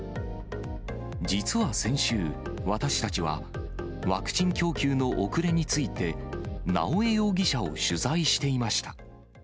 実は先週、私たちはワクチン供給の遅れについて、直江容疑者を取材していました。